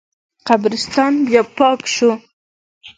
قبرستان بیا پاک شو.